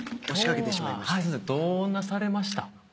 どうなされました？